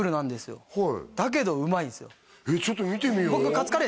ちょっと見てみよう僕